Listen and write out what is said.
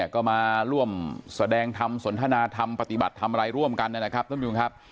ก็มาร่วมแสดงทำสนทนาทำปฏิบัติทำอะไรร่วมกันนะครับ